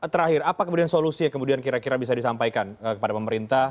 terakhir apa kemudian solusi yang kemudian kira kira bisa disampaikan kepada pemerintah